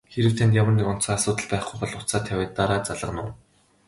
Хэрэв танд ямар нэг онцгой асуудал байхгүй бол утсаа тавиад дараа залгана уу?